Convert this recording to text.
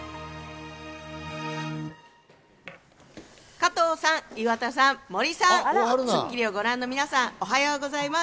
加藤さん、岩田さん、森さん、『スッキリ』をご覧の皆さんおはようございます。